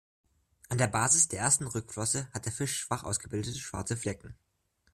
An der Basis der ersten Rückenflosse hat der Fisch schwach ausgebildete schwarze Flecken.